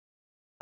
あ！